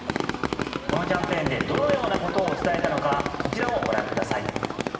このキャンペーンでどのようなことを伝えたのかこちらをご覧ください。